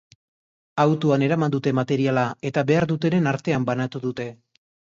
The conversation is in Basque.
Autoan eraman dute materiala, eta behar dutenen artean banatu dute.